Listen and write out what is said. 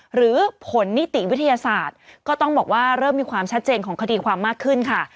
หรือผลนิติวิทยาศาสตร์ก็ต้องบอกว่าเริ่มมีความชัดเจนของคดีความมากขึ้นค่ะ